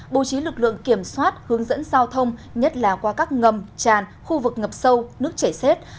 bố trí lực lượng kiểm soát hướng dẫn giao thông nhất là qua các ngầm tràn khu vực ngập sâu nước chảy xết